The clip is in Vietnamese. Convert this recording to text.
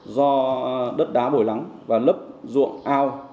do đất đá bồi lắng và lấp ruộng ao